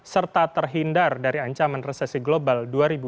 serta terhindar dari ancaman resesi global dua ribu dua puluh